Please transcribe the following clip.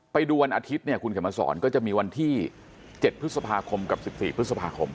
ไปดูวันอาทิตย์เนี่ยคุณเข็มมาสอนก็จะมีวันที่๗พฤษภาคมกับ๑๔พฤษภาคม